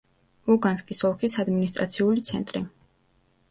ლუგანსკის ოლქის ადმინისტრაციული ცენტრი.